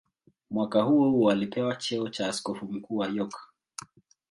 Mwaka huohuo alipewa cheo cha askofu mkuu wa York.